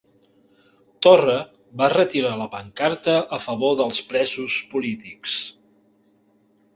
Torra va retirar la pancarta a favor dels presos polítics